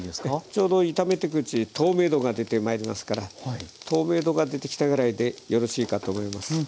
ちょうど炒めてくうちに透明度が出てまいりますから透明度が出てきたぐらいでよろしいかと思います。